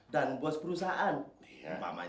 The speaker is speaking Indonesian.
dan bos perusahaan